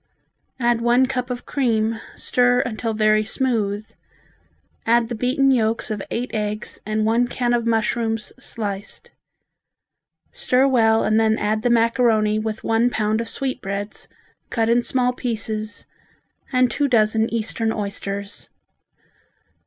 Add one cup of cream, stir until very smooth, add the beaten yolks of eight eggs and one can of mushrooms sliced. Stir well and then add the macaroni with one pound of sweetbreads, cut in small pieces and two dozen Eastern oysters.